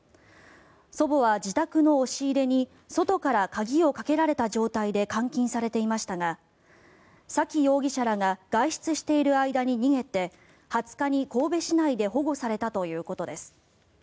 祖母は自宅の押し入れに外から鍵をかけられた状態で監禁されていましたが沙喜容疑者らが外出している間に逃げて２０日に神戸市内で保護されたということです。